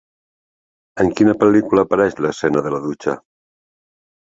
En quina pel·lícula apareix l'escena de la dutxa?